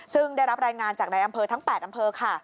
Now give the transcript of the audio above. ซึ่งได้รับรายงานจากในอำเภอทั้ง๘อำเภอค่ะ